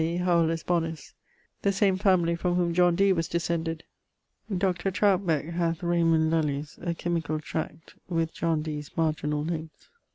e. Howelus bonus: the same family from whom John Dee was descended). Dr. Troutbec hath Raymund Lully's ... (a chymical tract) with John Dee's marginall notes.